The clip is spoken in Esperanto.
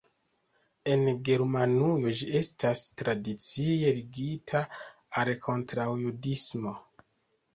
En Germanujo ĝi estas tradicie ligita al kontraŭjudismo.